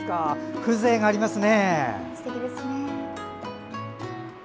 風情がありますね。